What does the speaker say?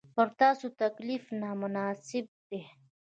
پر تاسو تکلیف نامناسب دی.